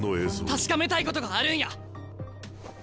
確かめたいことがあるんや！